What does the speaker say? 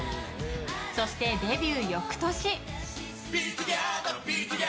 そして、デビュー翌年。